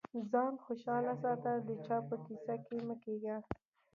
ځان خوشاله ساته د چا په کيسه کي مه کېږه.